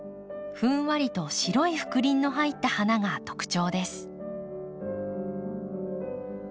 ふんわりと白い覆輪の入った花が特徴です。